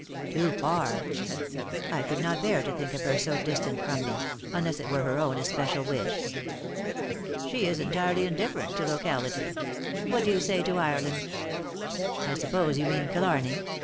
" Too far. I could not bear to think of her so distant from me, unless it were her own especial wish." " She is entirely indifferent to locality. What do you say co Ireland?" " I suppose you mean Killarney